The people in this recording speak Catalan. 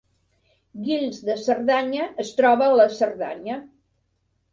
Guils de Cerdanya es troba a la Cerdanya